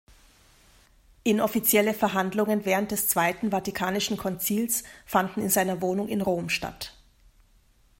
Inoffizielle Verhandlungen während des Zweiten Vatikanischen Konzils fanden in seiner Wohnung in Rom statt.